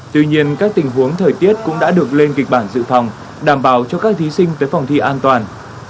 tuy nhiên các tình huống thời tiết cũng đã được lên kịch bản dự phòng đảm bảo cho các thí sinh tới phòng thi an toàn